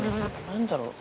何だろう？